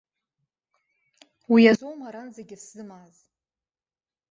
Уи азоума аранӡагьы сзымааз.